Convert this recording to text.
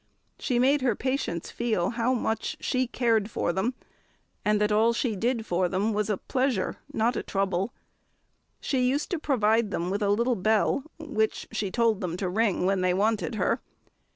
She made her patients feel how much she cared for them, and that all she did for them was a pleasure, not a trouble. She used to provide them with a little bell, which she told them to ring when they wanted her.